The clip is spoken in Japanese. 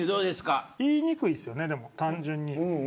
言いにくいですよね、単純に。